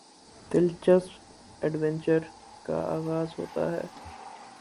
دلچسپ ایڈونچر کا آغاز ہوتا ہے